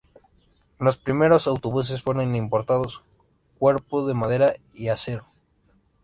Los primeros autobuses fueron importados, cuerpo de madera y acero.